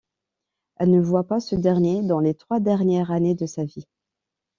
Elle ne voit pas ce dernier dans les trois dernières années de sa vie.